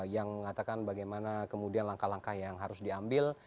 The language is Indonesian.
yang mengatakan bagaimana kemudian langkah langkah yang harus diambil